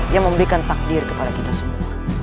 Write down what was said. yang memberikan takdir kepada kita semua